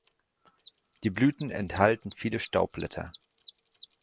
Die Blüten enthalten viele Staubblätter.